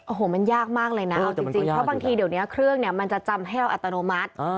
โอ้โหมันยากมากเลยนะเอาจริงเพราะบางทีเดี๋ยวนี้เครื่องเนี่ยมันจะจำให้เราอัตโนมัติ